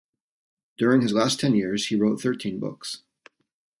During his last ten years he wrote thirteen books.